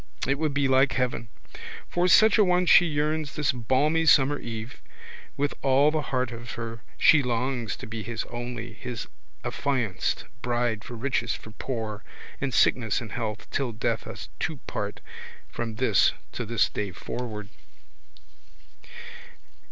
It would be like heaven. For such a one she yearns this balmy summer eve. With all the heart of her she longs to be his only, his affianced bride for riches for poor, in sickness in health, till death us two part, from this to this day forward.